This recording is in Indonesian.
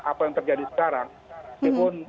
apa yang terjadi sekarang meskipun